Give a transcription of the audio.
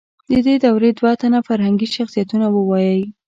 د دې دورې دوه تنه فرهنګي شخصیتونه ووایئ.